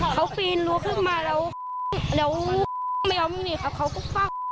เขาปีนรั้วขึ้นมาแล้วแล้วไม่ยอมหนีครับเขาก็กล้าว